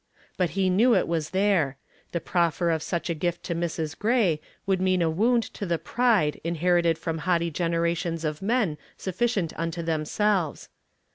But he knew it was there; the proffer of such a gift to Mrs. Gray would mean a wound to the pride inherited from haughty generations of men sufficient unto themselves.